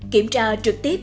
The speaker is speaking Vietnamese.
kiểm tra trực tiếp